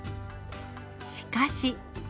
しかし。